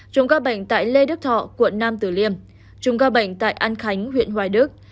chùm ca bệnh tại lê đức thọ quận nam tử liêm chùm ca bệnh tại an khánh huyện hoài đức